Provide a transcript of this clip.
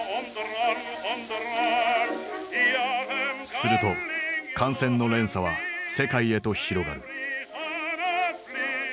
すると感染の連鎖は世界へと広がる。